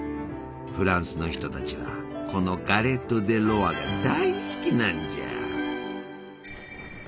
フランスの人たちはこのガレット・デ・ロワが大好きなんじゃ！